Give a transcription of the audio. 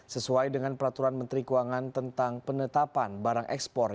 sesuai dengan peraturan menteri keuangan tentang penetapan barang ekspor